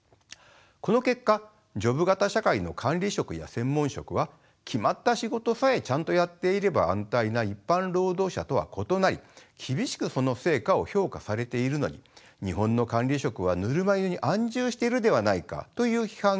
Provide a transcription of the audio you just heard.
この結果ジョブ型社会の管理職や専門職は決まった仕事さえちゃんとやっていれば安泰な一般労働者とは異なり厳しくその成果を評価されているのに日本の管理職はぬるま湯に安住しているではないかという批判が繰り出されることになります。